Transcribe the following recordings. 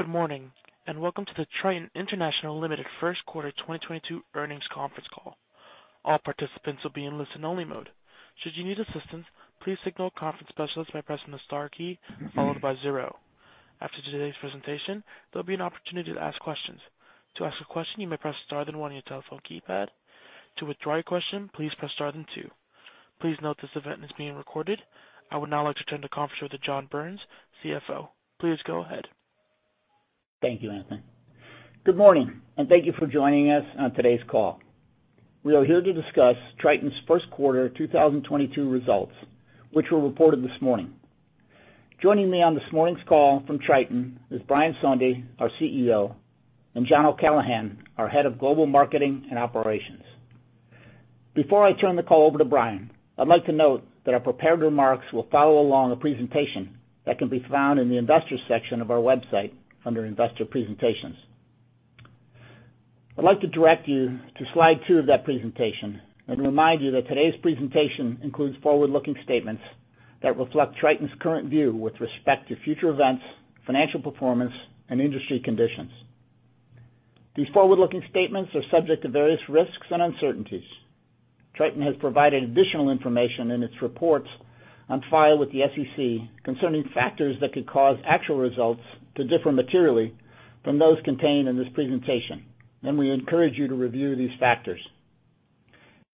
Good morning, and welcome to the Triton International Limited First Quarter 2022 Earnings Conference Call. All participants will be in listen-only mode. Should you need assistance, please signal a conference specialist by pressing the star key followed by zero. After today's presentation, there'll be an opportunity to ask questions. To ask a question, you may press star then one on your telephone keypad. To withdraw your question, please press star then two. Please note this event is being recorded. I would now like to turn the conference over to John Burns, CFO. Please go ahead. Thank you, Anthony. Good morning, and thank you for joining us on today's call. We are here to discuss Triton's first quarter 2022 results, which were reported this morning. Joining me on this morning's call from Triton is Brian Sondey, our CEO, and John O'Callaghan, our Global Head of Field Marketing and Operations. Before I turn the call over to Brian, I'd like to note that our prepared remarks will follow along a presentation that can be found in the Investors section of our website under Investor Presentations. I'd like to direct you to slide two of that presentation and remind you that today's presentation includes forward-looking statements that reflect Triton's current view with respect to future events, financial performance, and industry conditions. These forward-looking statements are subject to various risks and uncertainties. Triton has provided additional information in its reports on file with the SEC concerning factors that could cause actual results to differ materially from those contained in this presentation, and we encourage you to review these factors.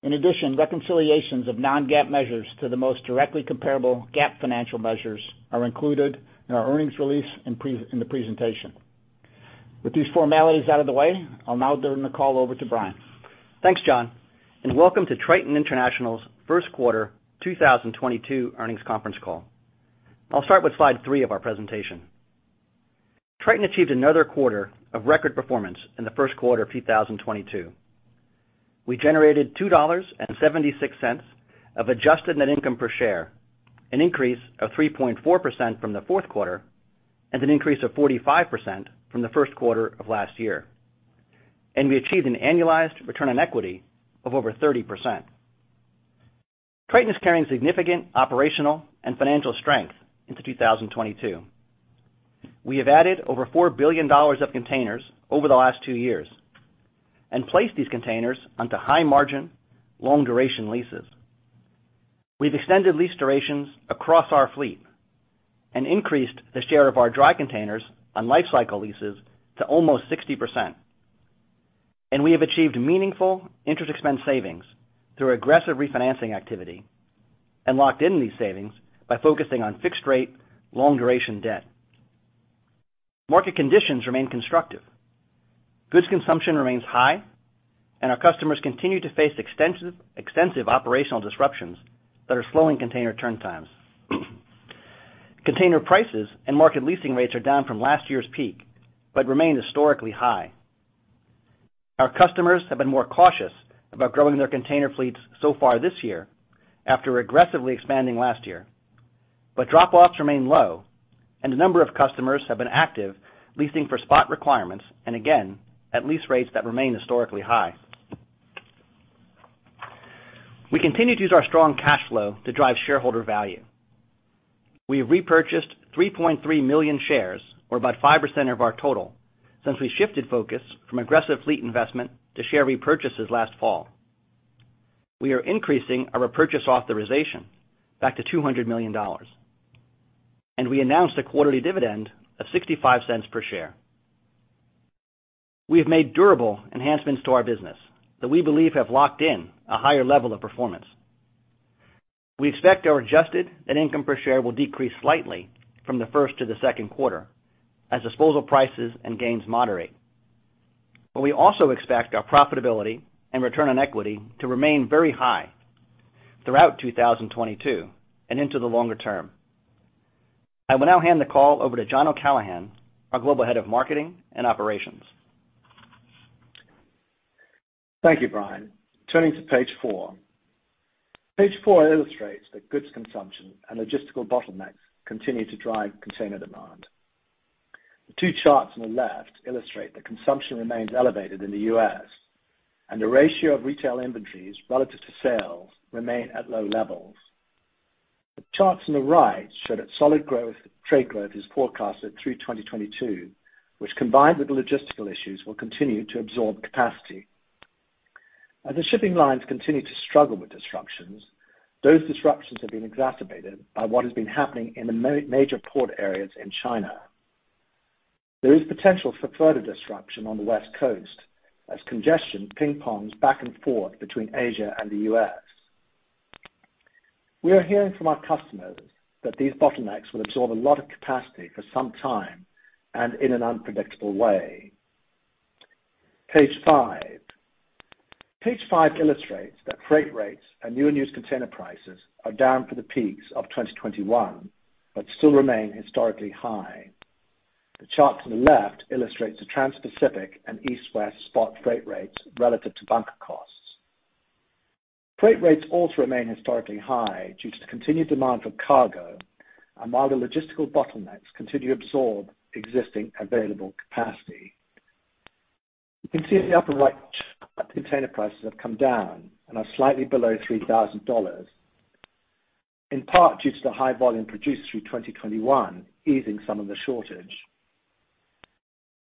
In addition, reconciliations of non-GAAP measures to the most directly comparable GAAP financial measures are included in our earnings release and in the presentation. With these formalities out of the way, I'll now turn the call over to Brian. Thanks, John, and welcome to Triton International's first quarter 2022 earnings conference call. I'll start with slide three of our presentation. Triton achieved another quarter of record performance in the first quarter of 2022. We generated $2.76 of adjusted net income per share, an increase of 3.4% from the fourth quarter, and an increase of 45% from the first quarter of last year. We achieved an annualized return on equity of over 30%. Triton is carrying significant operational and financial strength into 2022. We have added over $4 billion of containers over the last two years and placed these containers onto high-margin, long-duration leases. We've extended lease durations across our fleet and increased the share of our dry containers on lifecycle leases to almost 60%. We have achieved meaningful interest expense savings through aggressive refinancing activity and locked in these savings by focusing on fixed rate, long-duration debt. Market conditions remain constructive. Goods consumption remains high, and our customers continue to face extensive operational disruptions that are slowing container turn times. Container prices and market leasing rates are down from last year's peak but remain historically high. Our customers have been more cautious about growing their container fleets so far this year after aggressively expanding last year, but drop-offs remain low, and a number of customers have been active leasing for spot requirements, and again, at lease rates that remain historically high. We continue to use our strong cash flow to drive shareholder value. We have repurchased 3.3 million shares, or about 5% of our total, since we shifted focus from aggressive fleet investment to share repurchases last fall. We are increasing our repurchase authorization back to $200 million, and we announced a quarterly dividend of $0.65 per share. We have made durable enhancements to our business that we believe have locked in a higher level of performance. We expect our adjusted net income per share will decrease slightly from the first to the second quarter as disposal prices and gains moderate. We also expect our profitability and return on equity to remain very high throughout 2022 and into the longer term. I will now hand the call over to John O'Callaghan, our Global Head of Marketing and Operations. Thank you, Brian. Turning to page four. Page four illustrates that goods consumption and logistical bottlenecks continue to drive container demand. The two charts on the left illustrate that consumption remains elevated in the U.S., and the ratio of retail inventories relative to sales remain at low levels. The charts on the right show that solid growth, trade growth is forecasted through 2022, which combined with the logistical issues, will continue to absorb capacity. As the shipping lines continue to struggle with disruptions, those disruptions have been exacerbated by what has been happening in the major port areas in China. There is potential for further disruption on the West Coast as congestion ping-pongs back and forth between Asia and the U.S. We are hearing from our customers that these bottlenecks will absorb a lot of capacity for some time and in an unpredictable way. Page five. Page five illustrates that freight rates and new and used container prices are down from the peaks of 2021, but still remain historically high. The chart to the left illustrates the Transpacific and East West spot freight rates relative to bunker costs. Freight rates also remain historically high due to continued demand for cargo, and while the logistical bottlenecks continue to absorb existing available capacity. You can see in the upper right chart that container prices have come down and are slightly below $3,000, in part due to the high volume produced through 2021 easing some of the shortage.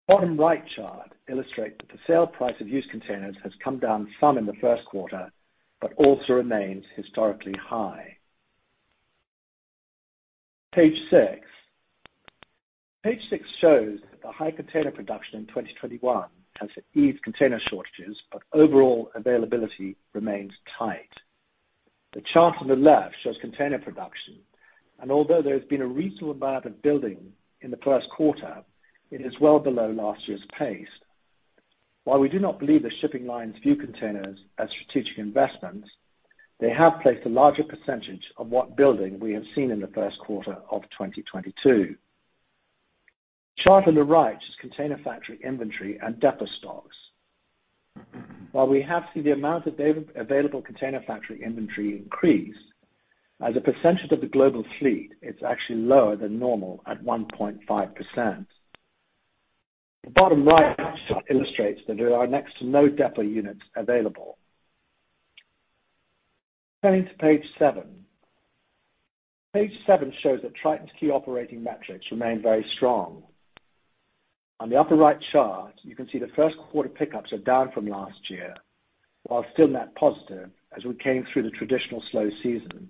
Bottom right chart illustrate that the sale price of used containers has come down some in the first quarter but also remains historically high. Page six. Page six shows that the high container production in 2021 has eased container shortages, but overall availability remains tight. The chart on the left shows container production, and although there has been a reasonable amount of building in the first quarter, it is well below last year's pace. While we do not believe the shipping lines view containers as strategic investments, they have placed a larger percentage of what building we have seen in the first quarter of 2022. Chart on the right is container factory inventory and depot stocks. While we have seen the amount of available container factory inventory increase, as a percentage of the global fleet, it's actually lower than normal at 1.5%. The bottom right chart illustrates that there are next to no depot units available. Turning to page seven. Page seven shows that Triton's key operating metrics remain very strong. On the upper right chart, you can see the first quarter pickups are down from last year, while still net positive as we came through the traditional slow season.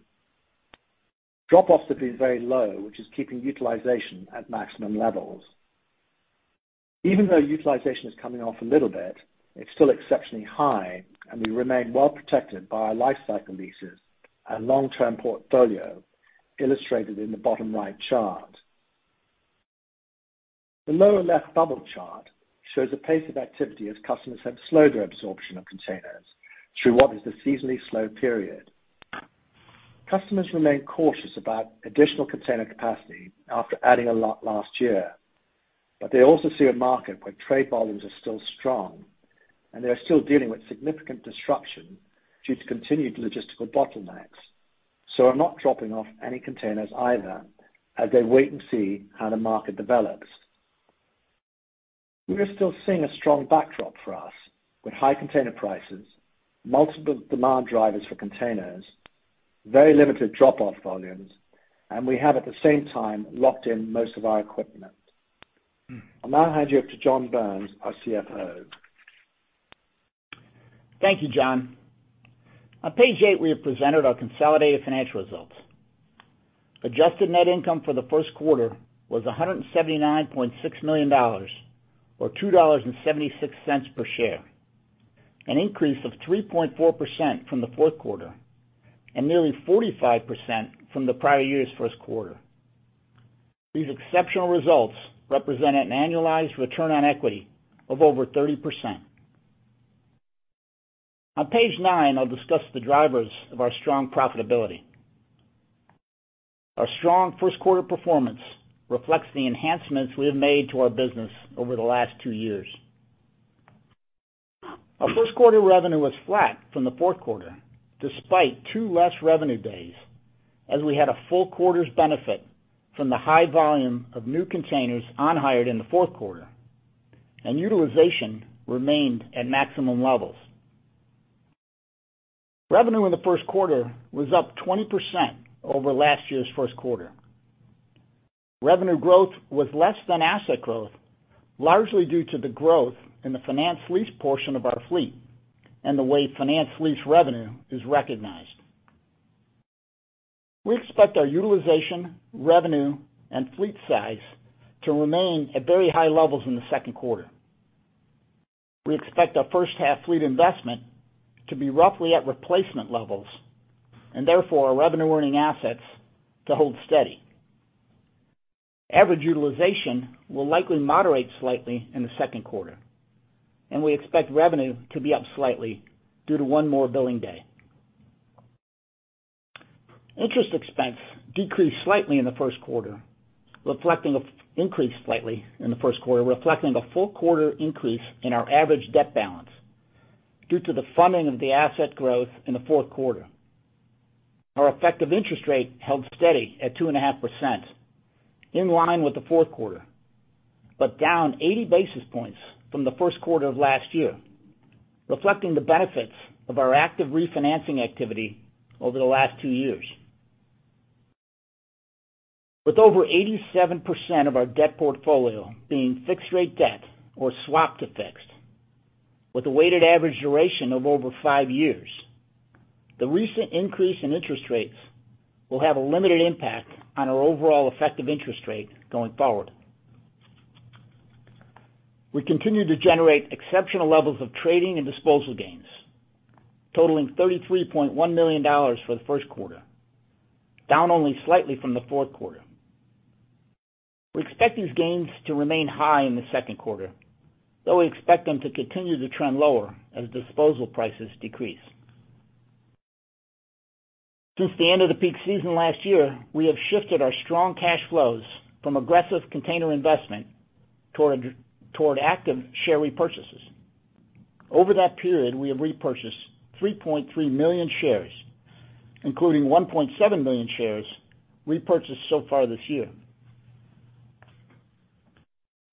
Drop-offs have been very low, which is keeping utilization at maximum levels. Even though utilization is coming off a little bit, it's still exceptionally high, and we remain well protected by our lifecycle leases and long-term portfolio illustrated in the bottom right chart. The lower left bubble chart shows the pace of activity as customers have slowed their absorption of containers through what is the seasonally slow period. Customers remain cautious about additional container capacity after adding a lot last year, but they also see a market where trade volumes are still strong, and they are still dealing with significant disruption due to continued logistical bottlenecks, so are not dropping off any containers either as they wait and see how the market develops. We are still seeing a strong backdrop for us with high container prices, multiple demand drivers for containers, very limited drop-off volumes, and we have, at the same time, locked in most of our equipment. I'll now hand you off to John Burns, our CFO. Thank you, John. On page eight, we have presented our consolidated financial results. Adjusted net income for the first quarter was $179.6 million or $2.76 per share, an increase of 3.4% from the fourth quarter and nearly 45% from the prior year's first quarter. These exceptional results represent an annualized return on equity of over 30%. On page nine, I'll discuss the drivers of our strong profitability. Our strong first quarter performance reflects the enhancements we have made to our business over the last two years. Our first quarter revenue was flat from the fourth quarter, despite two less revenue days, as we had a full quarter's benefit from the high volume of new containers on hire in the fourth quarter, and utilization remained at maximum levels. Revenue in the first quarter was up 20% over last year's first quarter. Revenue growth was less than asset growth, largely due to the growth in the finance lease portion of our fleet and the way finance lease revenue is recognized. We expect our utilization, revenue, and fleet size to remain at very high levels in the second quarter. We expect our first half fleet investment to be roughly at replacement levels and therefore our revenue earning assets to hold steady. Average utilization will likely moderate slightly in the second quarter, and we expect revenue to be up slightly due to one more billing day. Interest expense increased slightly in the first quarter, reflecting a full quarter increase in our average debt balance due to the funding of the asset growth in the fourth quarter. Our effective interest rate held steady at 2.5%, in line with the fourth quarter, but down 80 basis points from the first quarter of last year, reflecting the benefits of our active refinancing activity over the last two years. With over 87% of our debt portfolio being fixed rate debt or swapped to fixed with a weighted average duration of over five years, the recent increase in interest rates will have a limited impact on our overall effective interest rate going forward. We continue to generate exceptional levels of trading and disposal gains, totaling $33.1 million for the first quarter, down only slightly from the fourth quarter. We expect these gains to remain high in the second quarter, though we expect them to continue to trend lower as disposal prices decrease. Since the end of the peak season last year, we have shifted our strong cash flows from aggressive container investment toward active share repurchases. Over that period, we have repurchased 3.3 million shares, including 1.7 million shares repurchased so far this year.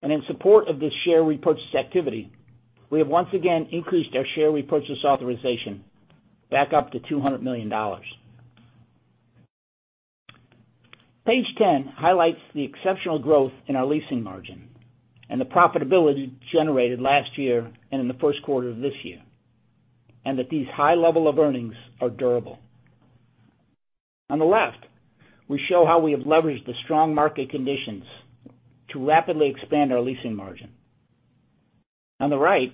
In support of this share repurchase activity, we have once again increased our share repurchase authorization back up to $200 million. Page 10 highlights the exceptional growth in our leasing margin and the profitability generated last year and in the first quarter of this year, and that these high level of earnings are durable. On the left, we show how we have leveraged the strong market conditions to rapidly expand our leasing margin. On the right,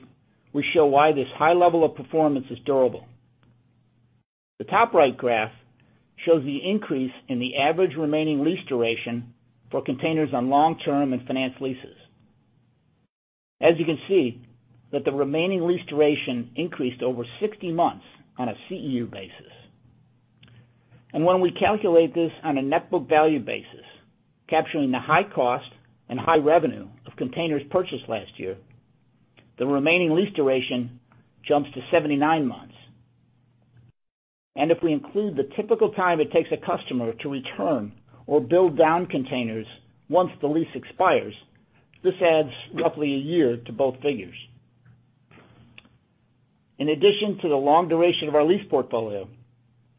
we show why this high level of performance is durable. The top right graph shows the increase in the average remaining lease duration for containers on long-term and finance leases. As you can see that the remaining lease duration increased over 60 months on a CEU basis. When we calculate this on a net book value basis, capturing the high cost and high revenue of containers purchased last year, the remaining lease duration jumps to 79 months. If we include the typical time it takes a customer to return or build down containers once the lease expires, this adds roughly a year to both figures. In addition to the long duration of our lease portfolio,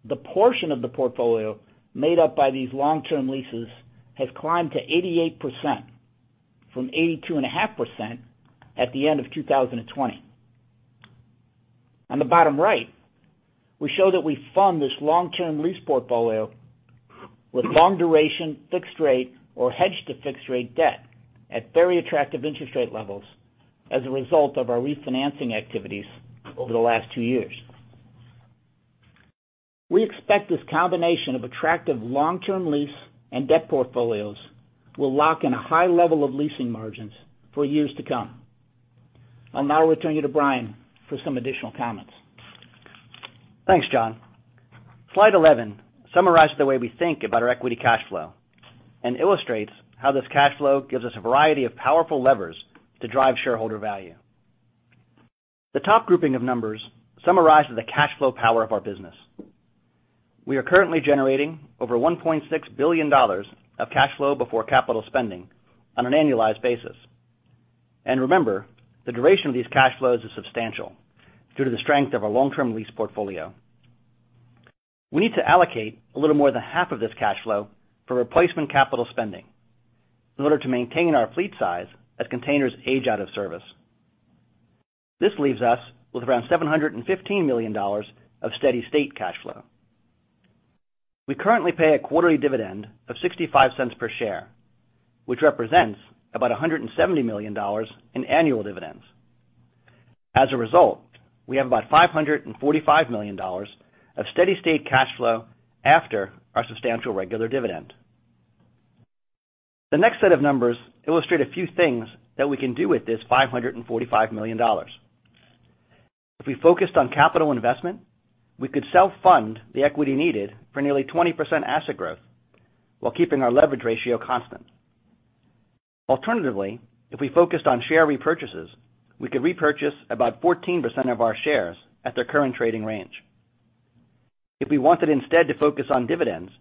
the portion of the portfolio made up by these long-term leases has climbed to 88% from 82.5% at the end of 2020. On the bottom right, we show that we fund this long-term lease portfolio with long duration, fixed rate, or hedged to fixed rate debt at very attractive interest rate levels as a result of our refinancing activities over the last two years. We expect this combination of attractive long-term lease and debt portfolios will lock in a high level of leasing margins for years to come. I'll now return you to Brian for some additional comments. Thanks, John. Slide 11 summarizes the way we think about our equity cash flow and illustrates how this cash flow gives us a variety of powerful levers to drive shareholder value. The top grouping of numbers summarize the cash flow power of our business. We are currently generating over $1.6 billion of cash flow before capital spending on an annualized basis. Remember, the duration of these cash flows is substantial due to the strength of our long-term lease portfolio. We need to allocate a little more than half of this cash flow for replacement capital spending in order to maintain our fleet size as containers age out of service. This leaves us with around $715 million of steady-state cash flow. We currently pay a quarterly dividend of $0.65 per share, which represents about $170 million in annual dividends. As a result, we have about $545 million of steady-state cash flow after our substantial regular dividend. The next set of numbers illustrate a few things that we can do with this $545 million. If we focused on capital investment, we could self-fund the equity needed for nearly 20% asset growth while keeping our leverage ratio constant. Alternatively, if we focused on share repurchases, we could repurchase about 14% of our shares at their current trading range. If we wanted instead to focus on dividends,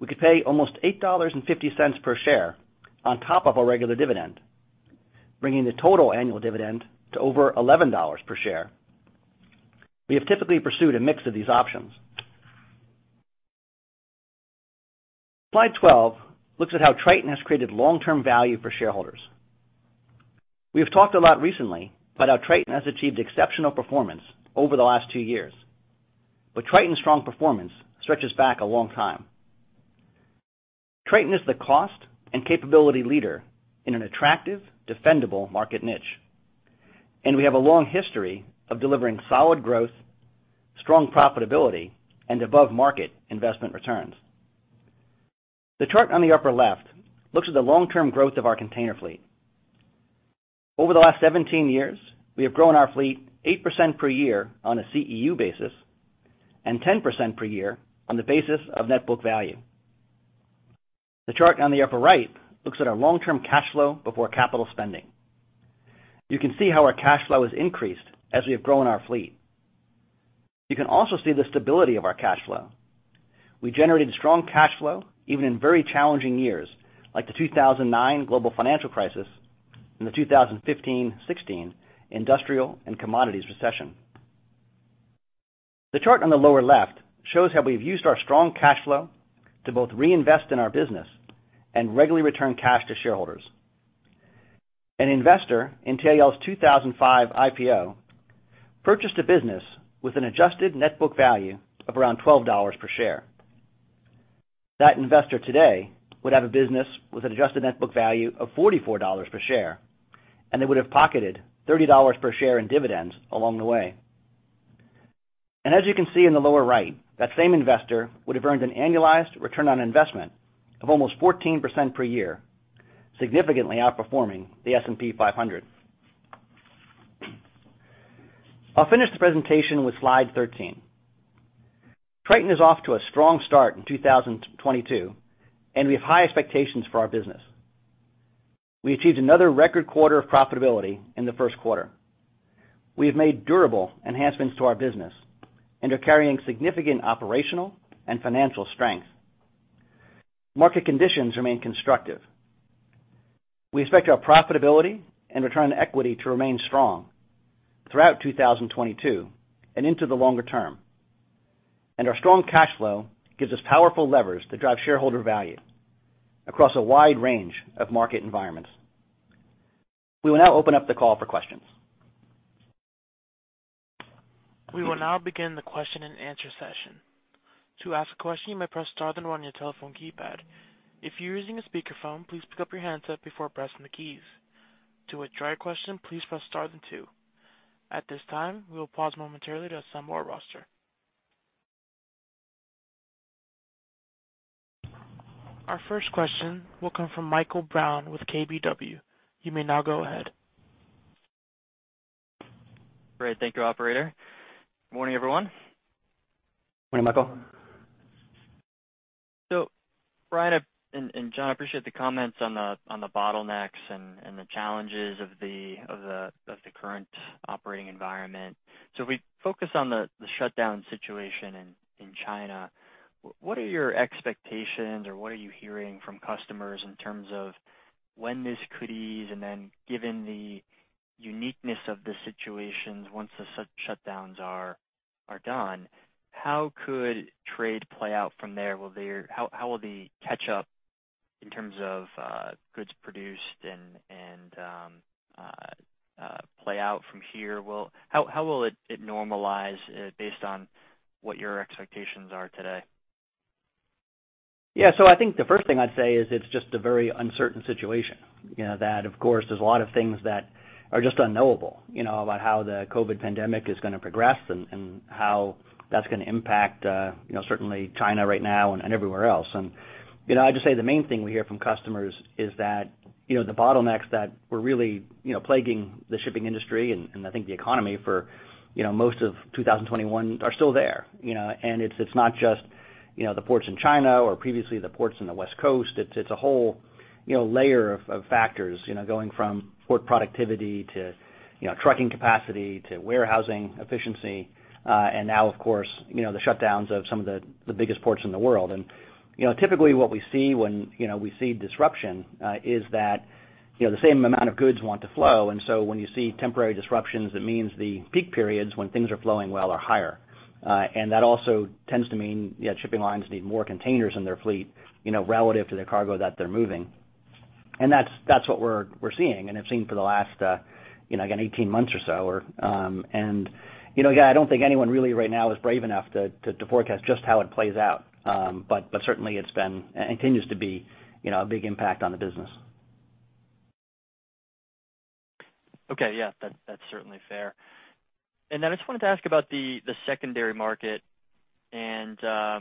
we could pay almost $8.50 per share on top of our regular dividend, bringing the total annual dividend to over $11 per share. We have typically pursued a mix of these options. Slide 12 looks at how Triton has created long-term value for shareholders. We have talked a lot recently about how Triton has achieved exceptional performance over the last two years, but Triton's strong performance stretches back a long time. Triton is the cost and capability leader in an attractive, defendable market niche, and we have a long history of delivering solid growth, strong profitability, and above market investment returns. The chart on the upper left looks at the long-term growth of our container fleet. Over the last 17 years, we have grown our fleet 8% per year on a CEU basis and 10% per year on the basis of net book value. The chart on the upper right looks at our long-term cash flow before capital spending. You can see how our cash flow has increased as we have grown our fleet. You can also see the stability of our cash flow. We generated strong cash flow even in very challenging years, like the 2009 global financial crisis and the 2015-2016 industrial and commodities recession. The chart on the lower left shows how we've used our strong cash flow to both reinvest in our business and regularly return cash to shareholders. An investor in TAL's 2005 IPO purchased a business with an adjusted net book value of around $12 per share. That investor today would have a business with an adjusted net book value of $44 per share, and they would have pocketed $30 per share in dividends along the way. As you can see in the lower right, that same investor would have earned an annualized return on investment of almost 14% per year, significantly outperforming the S&P 500. I'll finish the presentation with slide 13. Triton is off to a strong start in 2022, and we have high expectations for our business. We achieved another record quarter of profitability in the first quarter. We have made durable enhancements to our business and are carrying significant operational and financial strength. Market conditions remain constructive. We expect our profitability and return on equity to remain strong throughout 2022 and into the longer term. Our strong cash flow gives us powerful levers to drive shareholder value across a wide range of market environments. We will now open up the call for questions. We will now begin the question-and-answer session. To ask a question, you may press star then one on your telephone keypad. If you're using a speakerphone, please pick up your handset before pressing the keys. To withdraw your question, please press star then two. At this time, we will pause momentarily to assemble our roster. Our first question will come from Michael Brown with KBW. You may now go ahead. Great. Thank you, operator. Morning, everyone. Morning, Michael. Brian and John, I appreciate the comments on the bottlenecks and the challenges of the current operating environment. If we focus on the shutdown situation in China, what are your expectations or what are you hearing from customers in terms of when this could ease? Then given the uniqueness of the situations, once the shutdowns are done, how could trade play out from there? How will the catch-up in terms of goods produced and play out from here? How will it normalize based on what your expectations are today? Yeah. I think the first thing I'd say is it's just a very uncertain situation. You know that, of course, there's a lot of things that are just unknowable, you know, about how the COVID pandemic is gonna progress and how that's gonna impact, you know, certainly China right now and everywhere else. You know, I'd just say the main thing we hear from customers is that, you know, the bottlenecks that were really, you know, plaguing the shipping industry and I think the economy for, you know, most of 2021 are still there, you know. It's not just, you know, the ports in China or previously the ports in the West Coast. It's a whole, you know, layer of factors, you know, going from port productivity to, you know, trucking capacity, to warehousing efficiency, and now of course, you know, the shutdowns of some of the biggest ports in the world. You know, typically what we see when, you know, we see disruption is that, you know, the same amount of goods want to flow. When you see temporary disruptions, it means the peak periods when things are flowing well are higher. And that also tends to mean, yeah, shipping lines need more containers in their fleet, you know, relative to the cargo that they're moving. And that's what we're seeing and have seen for the last, you know, again, 18 months or so. you know, yeah, I don't think anyone really right now is brave enough to forecast just how it plays out. But certainly it's been and continues to be, you know, a big impact on the business. Okay. Yeah. That's certainly fair. I just wanted to ask about the secondary market and,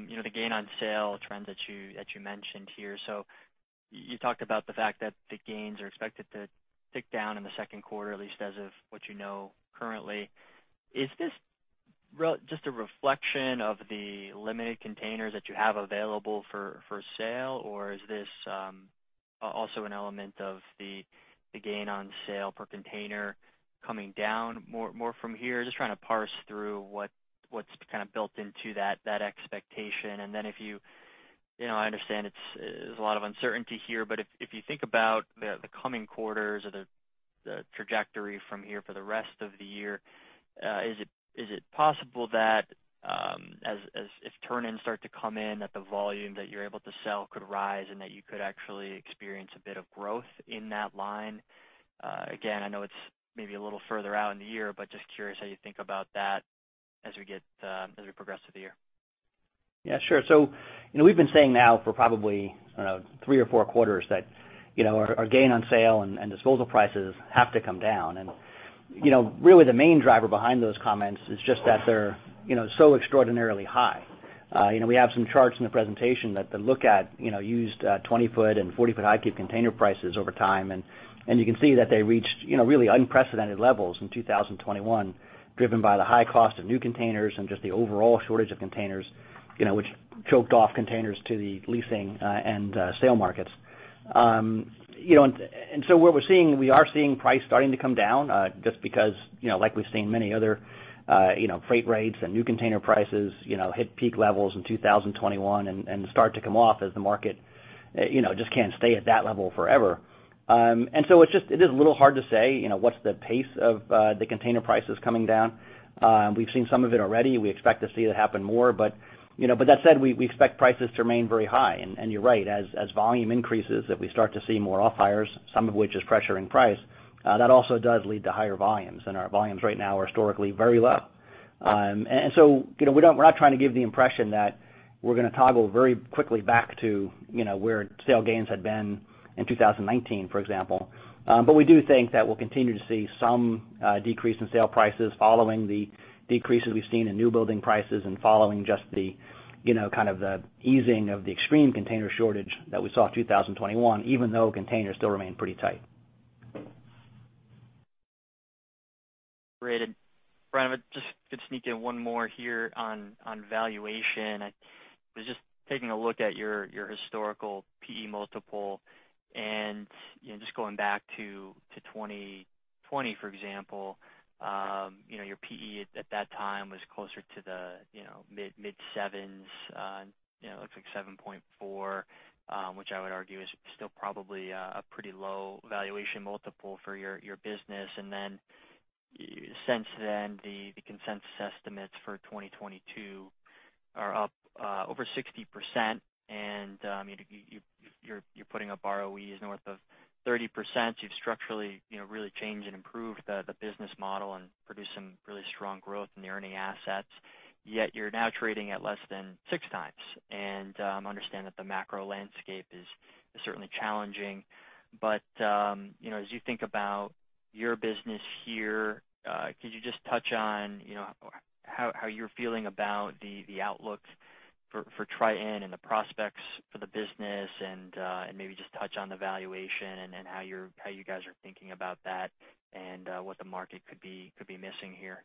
you know, the gain on sale trends that you mentioned here. You talked about the fact that the gains are expected to tick down in the second quarter, at least as of what you know currently. Is this just a reflection of the limited containers that you have available for sale, or is this also an element of the gain on sale per container coming down more from here? Just trying to parse through what's kind of built into that expectation. Then if you know, I understand there's a lot of uncertainty here, but if you think about the coming quarters or the trajectory from here for the rest of the year, is it possible that as if turn-ins start to come in, that the volume that you're able to sell could rise and that you could actually experience a bit of growth in that line? Again, I know it's maybe a little further out in the year, but just curious how you think about that as we get, as we progress through the year. Yeah, sure. You know, we've been saying now for probably, I don't know, three or four quarters that, you know, our gain on sale and disposal prices have to come down. You know, really the main driver behind those comments is just that they're, you know, so extraordinarily high. You know, we have some charts in the presentation that look at used 20-foot and 40-foot high cube container prices over time. You can see that they reached really unprecedented levels in 2021, driven by the high cost of new containers and just the overall shortage of containers, you know, which choked off containers to the leasing and sale markets. What we're seeing, we are seeing price starting to come down, just because, you know, like we've seen many other, you know, freight rates and new container prices, you know, hit peak levels in 2021 and start to come off as the market, you know, just can't stay at that level forever. It's just it is a little hard to say, you know, what's the pace of the container prices coming down. We've seen some of it already. We expect to see it happen more. You know, but that said, we expect prices to remain very high. You're right, as volume increases, if we start to see more off-hires, some of which is pressuring price, that also does lead to higher volumes. Our volumes right now are historically very low. You know, we're not trying to give the impression that we're gonna toggle very quickly back to, you know, where sale gains had been in 2019, for example. We do think that we'll continue to see some decrease in sale prices following the decreases we've seen in new building prices and following just the, you know, kind of the easing of the extreme container shortage that we saw in 2021, even though containers still remain pretty tight. Great. Brian, I would just, if I could sneak in one more here on valuation. I was just taking a look at your historical PE multiple and, you know, just going back to 2020, for example, you know, your PE at that time was closer to the, you know, mid sevens. You know, it looks like 7.4, which I would argue is still probably a pretty low valuation multiple for your business. Then since then, the consensus estimates for 2022 are up over 60%. I mean, you're putting up ROEs north of 30%. You've structurally, you know, really changed and improved the business model and produced some really strong growth in the earning assets. Yet you're now trading at less than 6x. Understand that the macro landscape is certainly challenging. You know, as you think about your business here, could you just touch on, you know, how you're feeling about the outlook for Triton and the prospects for the business and maybe just touch on the valuation and then how you guys are thinking about that and what the market could be missing here.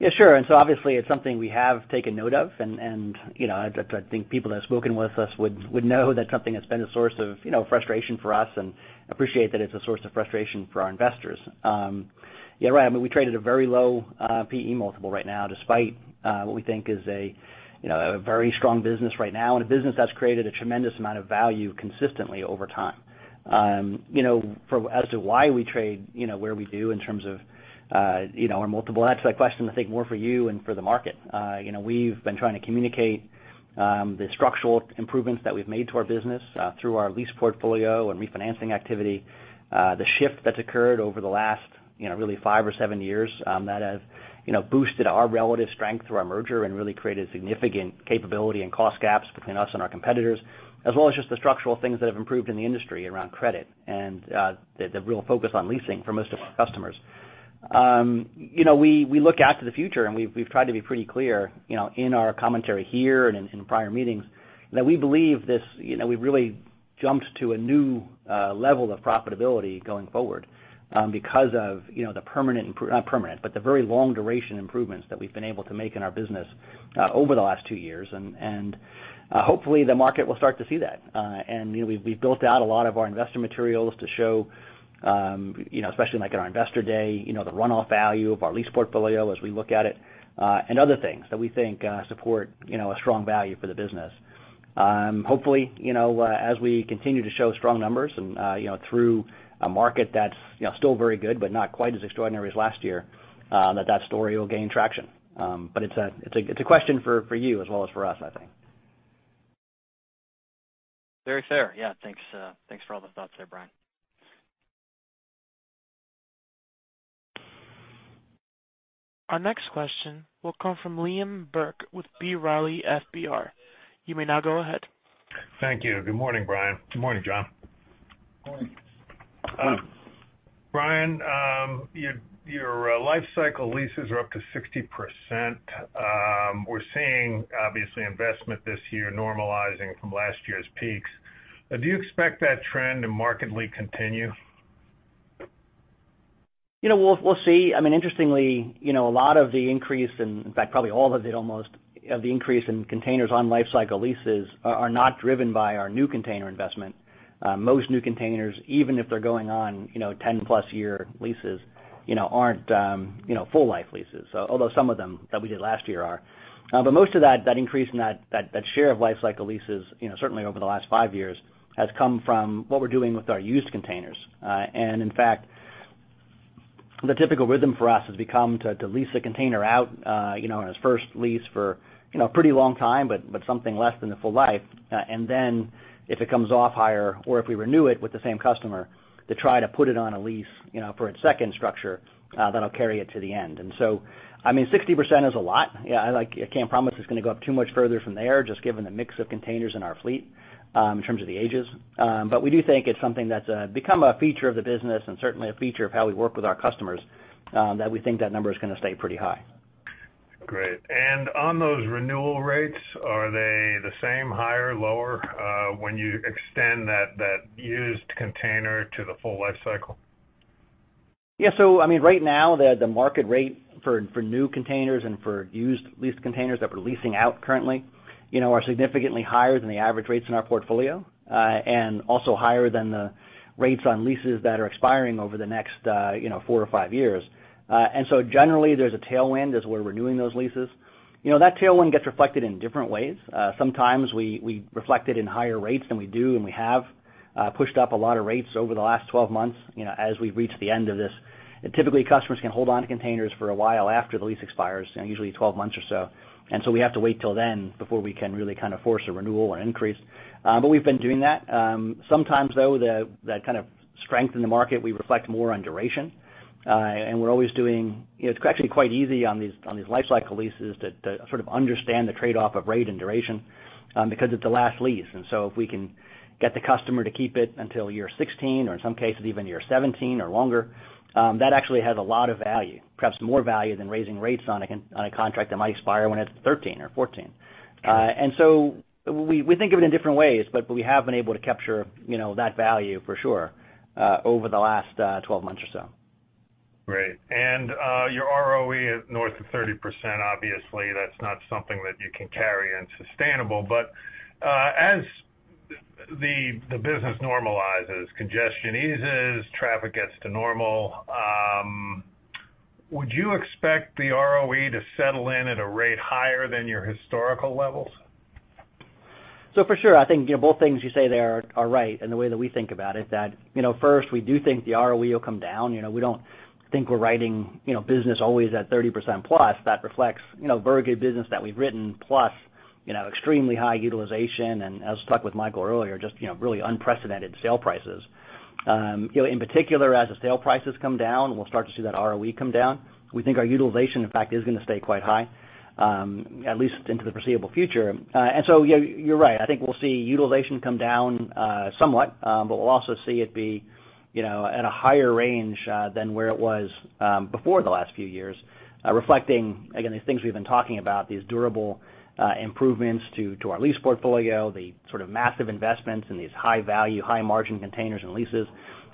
Yeah, sure. Obviously it's something we have taken note of and, you know, I'd like to think people that have spoken with us would know that's something that's been a source of, you know, frustration for us and appreciate that it's a source of frustration for our investors. Yeah, you're right. I mean, we trade at a very low PE multiple right now despite what we think is a, you know, a very strong business right now, and a business that's created a tremendous amount of value consistently over time. You know, as to why we trade, you know, where we do in terms of, you know, our multiple, that's a question I think more for you and for the market. You know, we've been trying to communicate the structural improvements that we've made to our business through our lease portfolio and refinancing activity, the shift that's occurred over the last, you know, really five or seven years that has, you know, boosted our relative strength through our merger and really created significant capability and cost gaps between us and our competitors, as well as just the structural things that have improved in the industry around credit and the real focus on leasing for most of our customers. You know, we look out to the future, and we've tried to be pretty clear, you know, in our commentary here and in prior meetings that we believe this, you know, we've really jumped to a new level of profitability going forward, because of, you know, not permanent, but the very long duration improvements that we've been able to make in our business, over the last two years. Hopefully the market will start to see that. You know, we've built out a lot of our investor materials to show, you know, especially like at our Investor Day, you know, the runoff value of our lease portfolio as we look at it, and other things that we think support, you know, a strong value for the business. Hopefully, you know, as we continue to show strong numbers and, you know, through a market that's, you know, still very good but not quite as extraordinary as last year, that story will gain traction. It's a question for you as well as for us, I think. Very fair. Yeah. Thanks for all the thoughts there, Brian. Our next question will come from Liam Burke with B. Riley Securities. You may now go ahead. Thank you. Good morning, Brian. Good morning, John. Morning. Brian, your Lifecycle leases are up to 60%. We're seeing obviously investment this year normalizing from last year's peaks. Do you expect that trend to markedly continue? You know, we'll see. I mean, interestingly, you know, a lot of the increase, in fact probably all of it almost, of the increase in containers on lifecycle leases are not driven by our new container investment. Most new containers, even if they're going on, you know, 10+ year leases, you know, aren't full life leases, although some of them that we did last year are. Most of that increase in that share of lifecycle leases, you know, certainly over the last five years, has come from what we're doing with our used containers. In fact, the typical rhythm for us has become to lease a container out, you know, on its first lease for, you know, a pretty long time, but something less than the full life. If it comes off hire or if we renew it with the same customer, to try to put it on a lease, you know, for its second structure, that'll carry it to the end. I mean, 60% is a lot. Like, I can't promise it's gonna go up too much further from there, just given the mix of containers in our fleet, in terms of the ages. We do think it's something that's become a feature of the business and certainly a feature of how we work with our customers, that we think that number is gonna stay pretty high. Great. On those renewal rates, are they the same, higher, lower, when you extend that used container to the full life cycle? Yeah. I mean, right now the market rate for new containers and for used leased containers that we're leasing out currently, you know, are significantly higher than the average rates in our portfolio, and also higher than the rates on leases that are expiring over the next, you know, four or five years. Generally, there's a tailwind as we're renewing those leases. You know, that tailwind gets reflected in different ways. Sometimes we reflect it in higher rates than we do, and we have pushed up a lot of rates over the last 12 months, you know, as we've reached the end of this. Typically, customers can hold on to containers for a while after the lease expires, you know, usually 12 months or so. We have to wait till then before we can really kind of force a renewal or an increase. We've been doing that. Sometimes though, that kind of strength in the market, we reflect more on duration. We're always doing you know, it's actually quite easy on these lifecycle leases to sort of understand the trade-off of rate and duration, because it's a lifecycle lease. If we can get the customer to keep it until year 16, or in some cases even year 17 or longer, that actually has a lot of value, perhaps more value than raising rates on a contract that might expire when it's 13 or 14. We think of it in different ways, but we have been able to capture, you know, that value for sure, over the last 12 months or so. Great. Your ROE is north of 30%. Obviously, that's not something that you can carry and sustainable. As the business normalizes, congestion eases, traffic gets to normal, would you expect the ROE to settle in at a rate higher than your historical levels? For sure, I think, you know, both things you say there are right in the way that we think about it, that, you know, first, we do think the ROE will come down. You know, we don't think we're writing, you know, business always at 30%+. That reflects, you know, very good business that we've written, plus, you know, extremely high utilization. I was talking with Michael earlier, just, you know, really unprecedented sale prices. You know, in particular, as the sale prices come down, we'll start to see that ROE come down. We think our utilization, in fact, is gonna stay quite high, at least into the foreseeable future. Yeah, you're right. I think we'll see utilization come down somewhat, but we'll also see it be, you know, at a higher range than where it was before the last few years, reflecting, again, these things we've been talking about, these durable improvements to our lease portfolio, the sort of massive investments in these high-value, high-margin containers and leases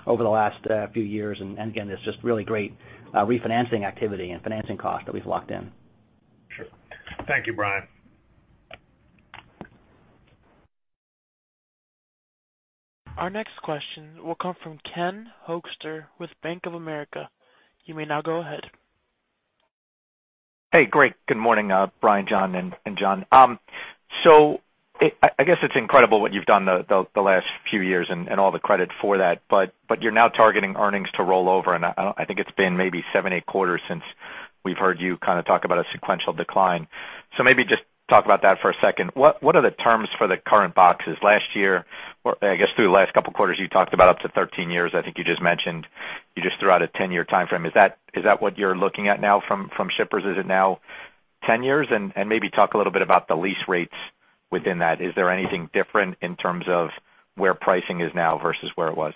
over the last few years. Again, this just really great refinancing activity and financing cost that we've locked in. Sure. Thank you, Brian. Our next question will come from Ken Hoexter with Bank of America. You may now go ahead. Hey. Great. Good morning, Brian, John, and John. I guess it's incredible what you've done the last few years and all the credit for that. You're now targeting earnings to roll over, and I think it's been maybe seven, eight quarters since we've heard you kind of talk about a sequential decline. Maybe just talk about that for a second. What are the terms for the current boxes? Last year, or I guess through the last couple quarters, you talked about up to 13 years. I think you just mentioned you just threw out a 10-year timeframe. Is that what you're looking at now from shippers? Is it now 10 years? Maybe talk a little bit about the lease rates within that. Is there anything different in terms of where pricing is now versus where it was?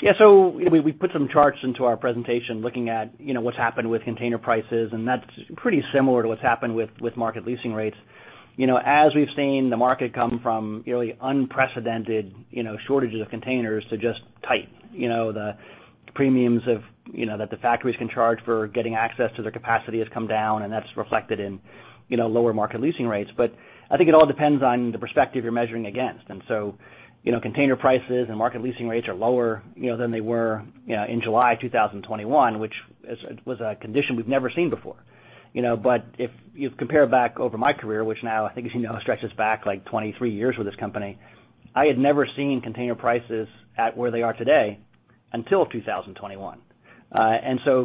Yeah. You know, we put some charts into our presentation looking at, you know, what's happened with container prices, and that's pretty similar to what's happened with market leasing rates. You know, as we've seen the market come from really unprecedented, you know, shortages of containers to just tight, you know, the premiums of, you know, that the factories can charge for getting access to their capacity has come down, and that's reflected in, you know, lower market leasing rates. But I think it all depends on the perspective you're measuring against. You know, container prices and market leasing rates are lower, you know, than they were, you know, in July 2021, which was a condition we've never seen before. You know, if you compare back over my career, which now I think as you know stretches back like 23 years with this company, I had never seen container prices at where they are today until 2021.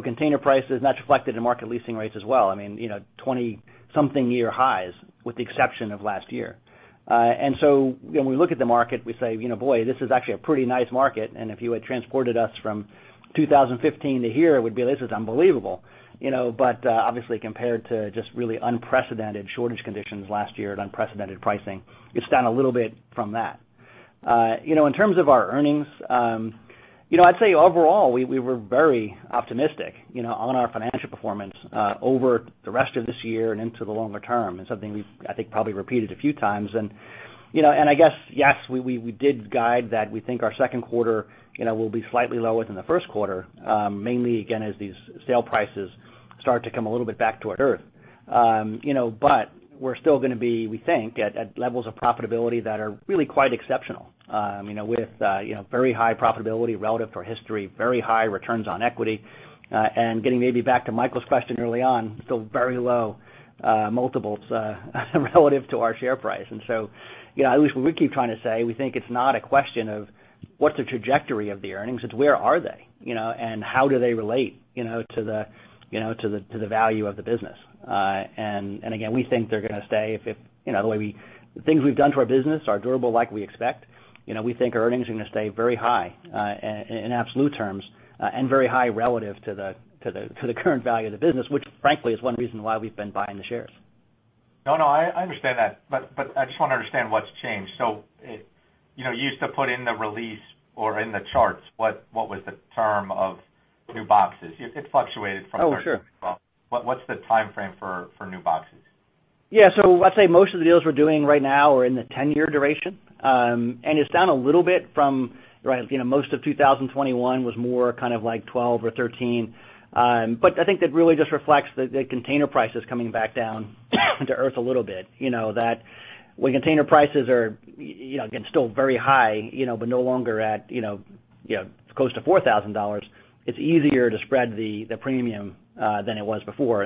Container prices, and that's reflected in market leasing rates as well, I mean, you know, 20-something-year highs with the exception of last year. You know, when we look at the market, we say, "You know, boy, this is actually a pretty nice market." If you had transported us from 2015 to here, it would be, this is unbelievable, you know. Obviously compared to just really unprecedented shortage conditions last year at unprecedented pricing, it's down a little bit from that. You know, in terms of our earnings, you know, I'd say overall, we were very optimistic, you know, on our financial performance, over the rest of this year and into the longer term. It's something we've, I think, probably repeated a few times. You know, and I guess, yes, we did guide that we think our second quarter, you know, will be slightly lower than the first quarter, mainly again, as these sale prices start to come a little bit back toward earth. You know, we're still gonna be, we think, at levels of profitability that are really quite exceptional, you know, with you know, very high profitability relative to our history, very high returns on equity, and getting maybe back to Michael's question early on, still very low multiples relative to our share price. You know, at least what we keep trying to say, we think it's not a question of what's the trajectory of the earnings, it's where are they, you know, and how do they relate, you know, to the value of the business. Again, we think they're gonna stay if you know, the things we've done to our business are durable like we expect. You know, we think our earnings are gonna stay very high, in absolute terms, and very high relative to the current value of the business, which frankly is one reason why we've been buying the shares. No, I understand that, but I just wanna understand what's changed. It, you know, you used to put in the release or in the charts what was the term of new boxes, it fluctuated from. Oh, sure. What's the timeframe for new boxes? Yeah. I'd say most of the deals we're doing right now are in the 10-year duration. It's down a little bit from, you know, most of 2021 was more kind of like 12 or 13. I think that really just reflects the container prices coming back down to earth a little bit. You know, that when container prices are, you know, again, still very high, you know, but no longer at, you know, you know, close to $4,000, it's easier to spread the premium than it was before.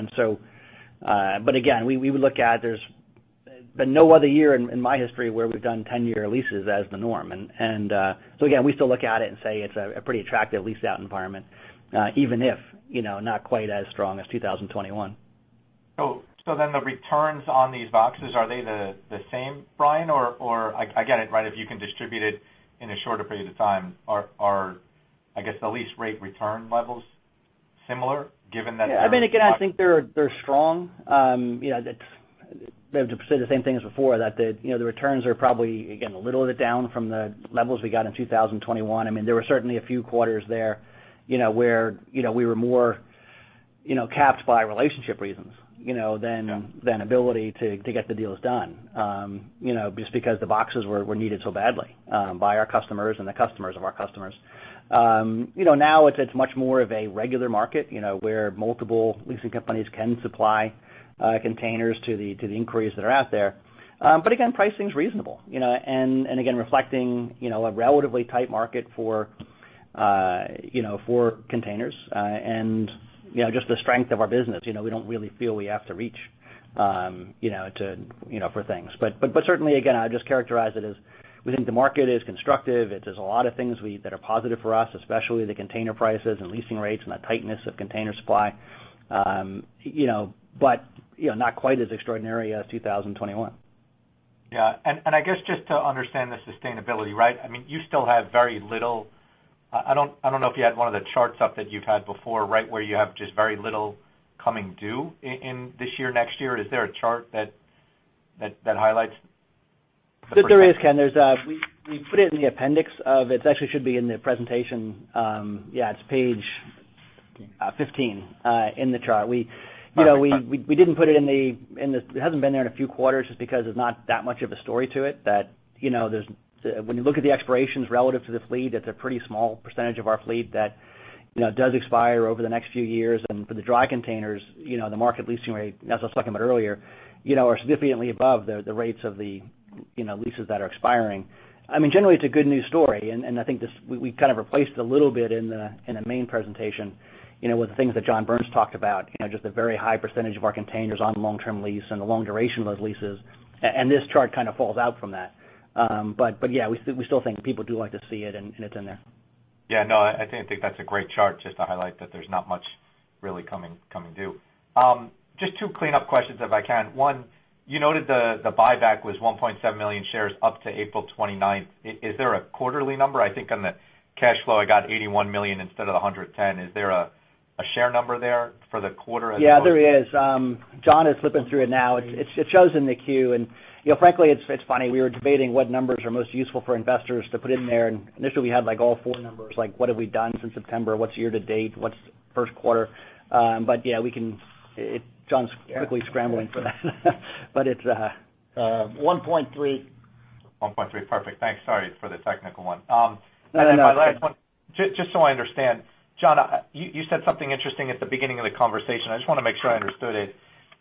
Again, we would look at there's been no other year in my history where we've done 10-year leases as the norm. Again, we still look at it and say it's a pretty attractive leased out environment, even if, you know, not quite as strong as 2021. The returns on these boxes, are they the same, Brian? Or I get it, right, if you can distribute it in a shorter period of time. Are I guess, the lease rate return levels similar given that- Yeah. I mean, again, I think they're strong. You know, to say the same thing as before, the returns are probably, again, a little bit down from the levels we got in 2021. I mean, there were certainly a few quarters there, you know, where we were more, you know, capped by relationship reasons, you know, than ability to get the deals done, you know, just because the boxes were needed so badly by our customers and the customers of our customers. You know, now it's much more of a regular market, you know, where multiple leasing companies can supply containers to the inquiries that are out there. Again, pricing's reasonable, you know, and again, reflecting, you know, a relatively tight market for containers, and, you know, just the strength of our business. You know, we don't really feel we have to reach, you know, to, you know, for things. Certainly, again, I just characterize it as we think the market is constructive. It is a lot of things that are positive for us, especially the container prices and leasing rates and the tightness of container supply. You know, not quite as extraordinary as 2021. Yeah. I guess just to understand the sustainability, right? I mean, you still have very little. I don't know if you had one of the charts up that you've had before, right, where you have just very little coming due in this year, next year. Is there a chart that highlights the duration? There is, Ken. We put it in the appendix, but it actually should be in the presentation. Yeah, it's page 15 in the chart. Perfect. You know, we didn't put it in the—it hasn't been there in a few quarters just because there's not that much of a story to it that, you know, there's, when you look at the expirations relative to the fleet, it's a pretty small percentage of our fleet that, you know, does expire over the next few years. For the Dry containers, you know, the market leasing rate, as I was talking about earlier, you know, are significantly above the rates of the, you know, leases that are expiring. I mean, generally, it's a good news story, and I think this, we kind of replaced a little bit in the main presentation, you know, with the things that John Burns talked about, you know, just the very high percentage of our containers on long-term lease and the long duration of those leases. This chart kind of falls out from that. Yeah, we still think people do like to see it, and it's in there. Yeah, no, I think that's a great chart just to highlight that there's not much really coming due. Just two cleanup questions, if I can. One, you noted the buyback was 1.7 million shares up to April 29. Is there a quarterly number? I think on the cash flow, I got $81 million instead of the $110. Is there a share number there for the quarter as opposed to- Yeah, there is. John is flipping through it now. It shows in the Q. You know, frankly, it's funny, we were debating what numbers are most useful for investors to put in there. Initially, we had, like, all four numbers, like what have we done since September, what's year to date, what's first quarter. Yeah, we can, it, John's quickly scrambling for that. It's 1.3. 1.3. Perfect. Thanks. Sorry for the technical one. No, no. Then my last one, just so I understand, John, you said something interesting at the beginning of the conversation. I just wanna make sure I understood it.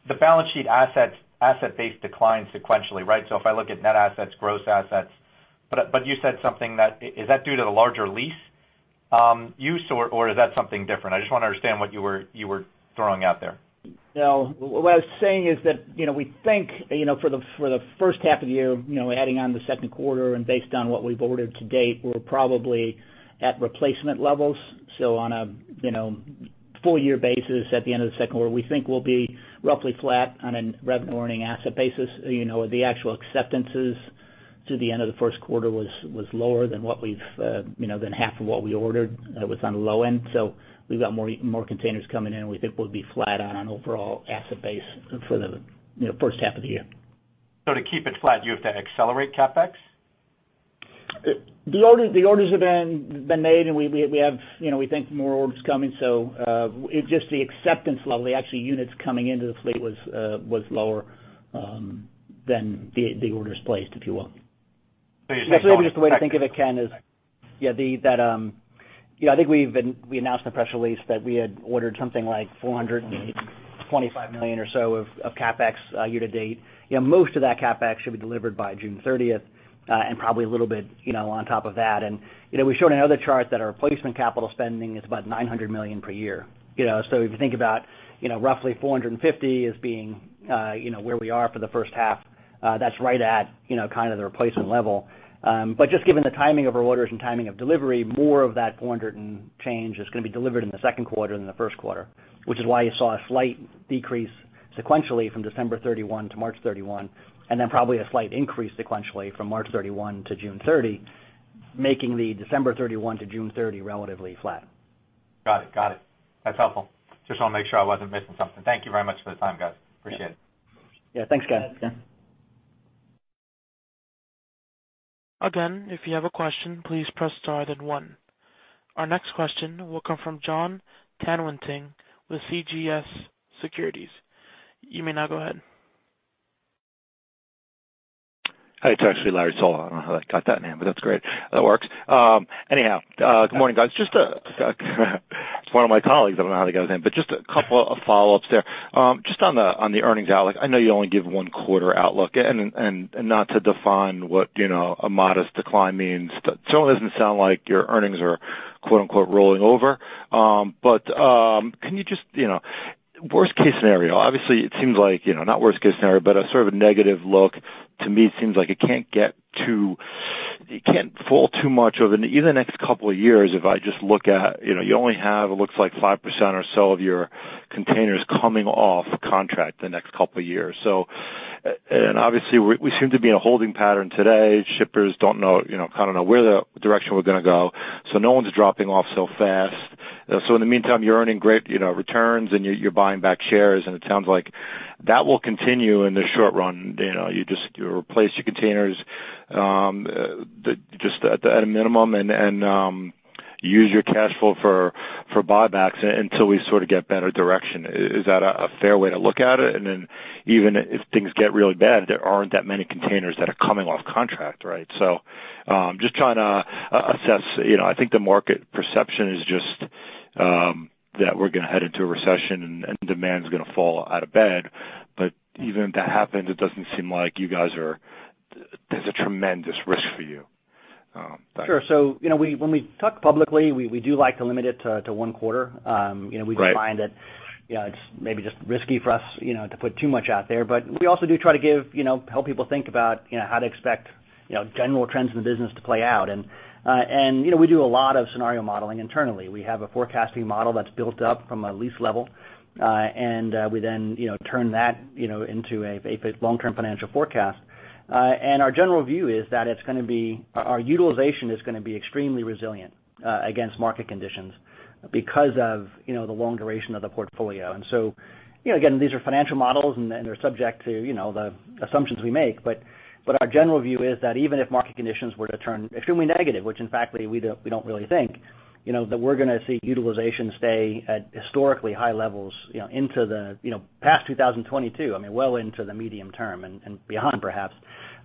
The balance sheet assets, asset base declined sequentially, right? If I look at net assets, gross assets, but you said something that, is that due to the larger lease-up, or is that something different? I just want to understand what you were throwing out there. No. What I was saying is that, you know, we think, you know, for the first half of the year, you know, adding on the second quarter and based on what we've ordered to date, we're probably at replacement levels. On a, you know, full year basis at the end of the second quarter, we think we'll be roughly flat on a revenue earning asset basis. You know, the actual acceptances to the end of the first quarter was lower than what we've, you know, than half of what we ordered was on the low end. We've got more containers coming in, and we think we'll be flat on an overall asset base for the, you know, first half of the year. To keep it flat, do you have to accelerate CapEx? The orders have been made, and we have, you know, we think more orders coming. It's just the acceptance level, the actual units coming into the fleet was lower than the orders placed, if you will. Actually, just the way to think of it, Ken, is, I think we announced in the press release that we had ordered something like $425 million or so of CapEx year to date. You know, most of that CapEx should be delivered by June 30th, and probably a little bit, you know, on top of that. You know, we showed in other charts that our planned capital spending is about $900 million per year, you know. If you think about, you know, roughly 450 as being, you know, where we are for the first half, that's right at, you know, kind of the replacement level. But just given the timing of our orders and timing of delivery, more of that 400 and change is gonna be delivered in the second quarter than the first quarter, which is why you saw a slight decrease sequentially from December 31 to March 31, and then probably a slight increase sequentially from March 31 to June 30, making the December 31 to June 30 relatively flat. Got it. That's helpful. Just wanna make sure I wasn't missing something. Thank you very much for the time, guys. Appreciate it. Yeah. Thanks, Ken. Thanks, Ken. Again, if you have a question, please press star then one. Our next question will come from Jon Tanwanteng with CJS Securities. You may now go ahead. It's actually Larry Solow. I don't know how that got that name, but that's great. That works. Anyhow, good morning, guys. Just, it's one of my colleagues. I don't know how to get his name. Just a couple of follow-ups there. Just on the earnings outlook, I know you only give one quarter outlook and not to define what, you know, a modest decline means. Certainly doesn't sound like your earnings are, quote, unquote, "rolling over." Can you just, you know, worst case scenario, obviously it seems like, you know, not worst case scenario, but a sort of a negative look. To me, it seems like it can't fall too much over the, even the next couple of years if I just look at, you know, you only have, it looks like 5% or so of your containers coming off contract the next couple of years. Obviously, we seem to be in a holding pattern today. Shippers don't know, you know, kind of know where the direction we're gonna go, so no one's dropping off so fast. In the meantime, you're earning great, you know, returns, and you're buying back shares, and it sounds like that will continue in the short run. You know, you just replace your containers just at a minimum and use your cash flow for buybacks until we sort of get better direction. Is that a fair way to look at it? Even if things get really bad, there aren't that many containers that are coming off contract, right? Just trying to assess, you know, I think the market perception is just that we're going to head into a recession and demand is going to fall out of bed. Even if that happens, it doesn't seem like you guys are. There's a tremendous risk for you. Sure. You know, we, when we talk publicly, we do like to limit it to one quarter. You know- Right We just find that, you know, it's maybe just risky for us, you know, to put too much out there. We also do try to give, you know, help people think about, you know, how to expect, you know, general trends in the business to play out. We do a lot of scenario modeling internally. We have a forecasting model that's built up from a lease level, and we then, you know, turn that, you know, into a long-term financial forecast. Our general view is that our utilization is going to be extremely resilient against market conditions because of, you know, the long duration of the portfolio. You know, again, these are financial models and they're subject to, you know, the assumptions we make. Our general view is that even if market conditions were to turn extremely negative, which in fact, we don't really think, you know, that we're going to see utilization stay at historically high levels, you know, into the, you know, past 2022, I mean, well into the medium term and beyond perhaps.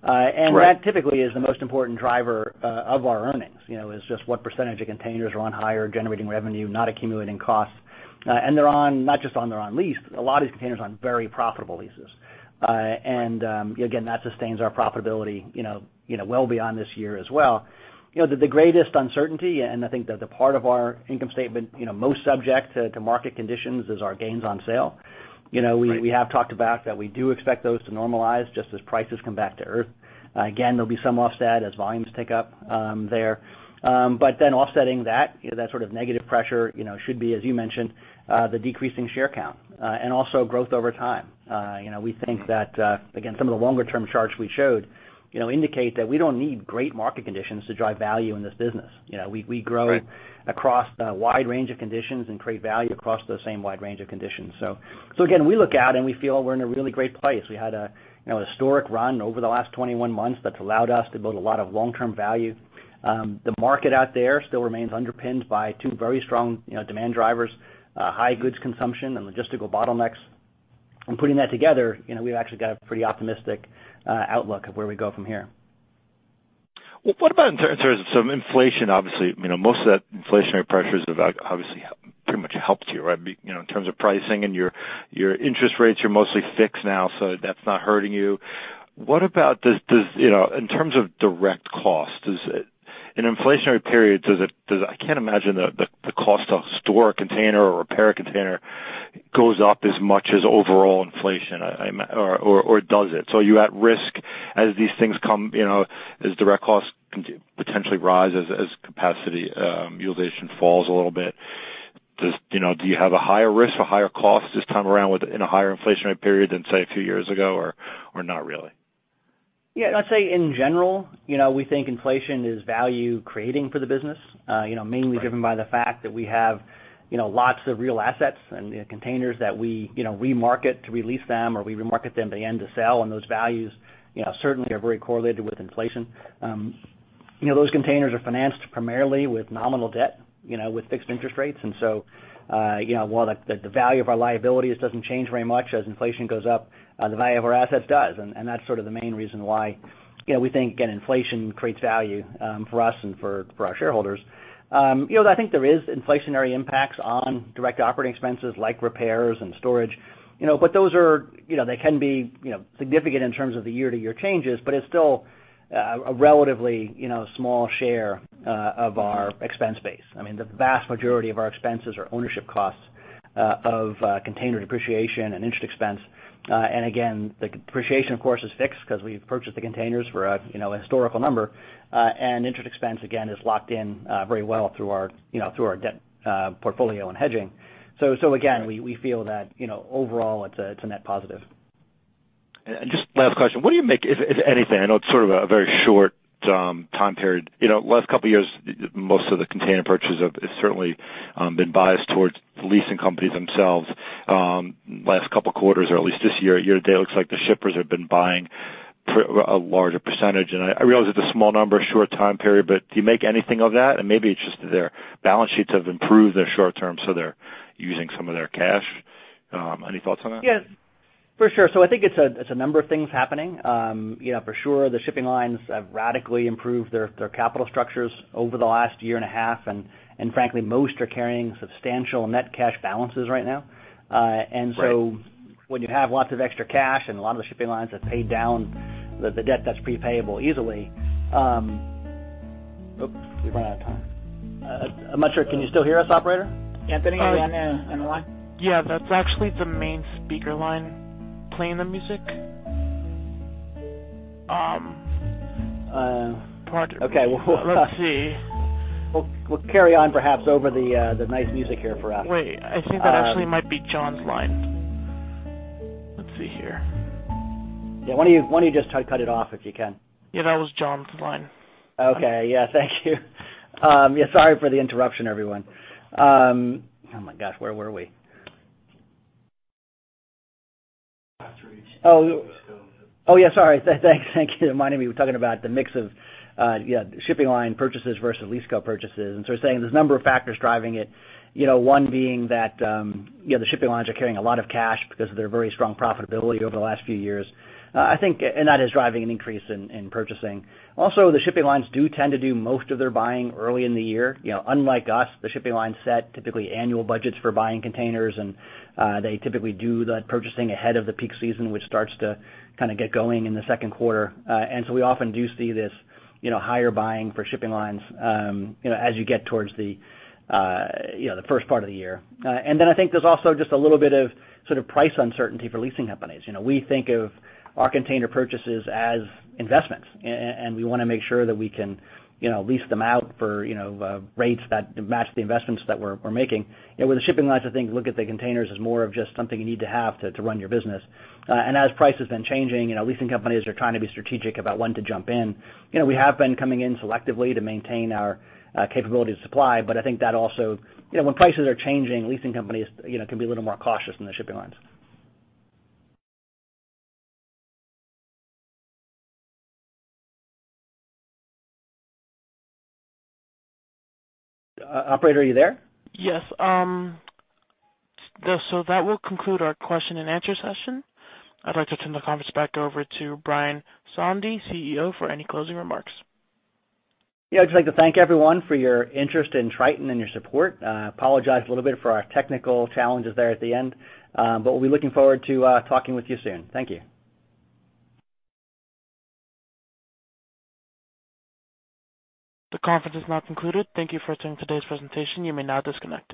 Right. That typically is the most important driver of our earnings, you know, is just what percentage of containers are on hire, generating revenue, not accumulating costs. They're on lease, a lot of these containers are on very profitable leases. Again, that sustains our profitability, you know, well beyond this year as well. You know, the greatest uncertainty, and I think the part of our income statement, you know, most subject to market conditions is our gains on sale. Right We have talked about that we do expect those to normalize just as prices come back to Earth. Again, there'll be some offset as volumes tick up, there. Offsetting that, you know, that sort of negative pressure, you know, should be, as you mentioned, the decreasing share count, and also growth over time. You know, we think that, again, some of the longer term charts we showed, you know, indicate that we don't need great market conditions to drive value in this business. You know, we grow. Right across a wide range of conditions and create value across those same wide range of conditions. So again, we look out and we feel we're in a really great place. We had a, you know, a historic run over the last 21 months that's allowed us to build a lot of long-term value. The market out there still remains underpinned by two very strong, you know, demand drivers, high goods consumption and logistical bottlenecks. Putting that together, you know, we've actually got a pretty optimistic outlook of where we go from here. Well, what about in terms of some inflation, obviously, you know, most of that inflationary pressures have obviously pretty much helped you, right? You know, in terms of pricing and your interest rates are mostly fixed now, so that's not hurting you. What about, you know, in terms of direct cost, does it in an inflationary period, does it? I can't imagine the cost to store a container or repair a container goes up as much as overall inflation. Or does it? Are you at risk as these things come, you know, as direct costs potentially rise as capacity utilization falls a little bit? You know, do you have a higher risk, a higher cost this time around within a higher inflationary period than, say, a few years ago, or not really? Yeah, I'd say in general, you know, we think inflation is value creating for the business, you know. Right Mainly driven by the fact that we have, you know, lots of real assets and containers that we, you know, remarket to re-lease them, or we remarket them and then sell. Those values, you know, certainly are very correlated with inflation. You know, those containers are financed primarily with nominal debt, you know, with fixed interest rates. You know, while the value of our liabilities doesn't change very much as inflation goes up, the value of our assets does. That's sort of the main reason why, you know, we think, again, inflation creates value, for us and for our shareholders. You know, I think there is inflationary impacts on direct operating expenses like repairs and storage, you know, but those are, you know, they can be, you know, significant in terms of the year-to-year changes, but it's still a relatively, you know, small share of our expense base. I mean, the vast majority of our expenses are ownership costs of container depreciation and interest expense. Again, the depreciation, of course, is fixed because we've purchased the containers for a historical number, you know. Interest expense, again, is locked in very well through our debt portfolio and hedging. Again, we feel that, you know, overall it's a net positive. Just last question. What do you make, if anything, I know it's sort of a very short time period. You know, last couple of years, most of the container purchases have certainly been biased towards leasing companies themselves. Last couple of quarters, or at least this year to date, looks like the shippers have been buying a larger percentage. I realize it's a small number, short time period, but do you make anything of that? Maybe it's just their balance sheets have improved their short term, so they're using some of their cash. Any thoughts on that? Yeah, for sure. I think it's a number of things happening. Yeah, for sure, the shipping lines have radically improved their capital structures over the last year and a half. And frankly, most are carrying substantial net cash balances right now. Right when you have lots of extra cash and a lot of the shipping lines have paid down the debt that's pre-payable easily. Oops, we've run out of time. I'm not sure. Can you still hear us, operator? Anthony- Sorry Are you on the line? Yeah, that's actually the main speaker line playing the music. Uh. Part- Okay. Let's see. We'll carry on perhaps over the nice music here for us. Wait, I think that actually might be John's line. Let's see here. Yeah. Why don't you just cut it off if you can? Yeah, that was John's line. Okay. Yeah. Thank you. Yeah, sorry for the interruption, everyone. My gosh, where were we? Yeah, sorry. Thanks. Thank you for reminding me. We're talking about the mix of, yeah, shipping line purchases versus lease co-purchases. We're saying there's a number of factors driving it. You know, one being that, you know, the shipping lines are carrying a lot of cash because of their very strong profitability over the last few years. I think and that is driving an increase in purchasing. Also, the shipping lines do tend to do most of their buying early in the year. You know, unlike us, the shipping lines set typically annual budgets for buying containers, and they typically do the purchasing ahead of the peak season, which starts to kind of get going in the second quarter. We often do see this, you know, higher buying for shipping lines, you know, as you get towards the, you know, the first part of the year. I think there's also just a little bit of sort of price uncertainty for leasing companies. You know, we think of our container purchases as investments and we wanna make sure that we can, you know, lease them out for, you know, rates that match the investments that we're making. You know, with the shipping lines, I think, look at the containers as more of just something you need to have to run your business. As price has been changing, you know, leasing companies are trying to be strategic about when to jump in. You know, we have been coming in selectively to maintain our capability to supply, but I think that also, you know, when prices are changing, leasing companies, you know, can be a little more cautious than the shipping lines. Operator, are you there? Yes. That will conclude our question and answer session. I'd like to turn the conference back over to Brian Sondey, CEO, for any closing remarks. Yeah. I'd just like to thank everyone for your interest in Triton and your support. Apologize a little bit for our technical challenges there at the end, but we'll be looking forward to talking with you soon. Thank you. The conference is now concluded. Thank you for attending today's presentation. You may now disconnect.